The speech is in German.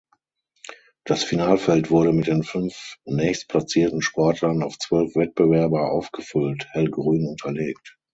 Das Finalfeld wurde mit den fünf nächstplatzierten Sportlern auf zwölf Wettbewerber aufgefüllt (hellgrün unterlegt).